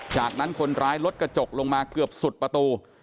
จากนั้นคนร้ายลดกระจกลงมาเกือบสุดประตู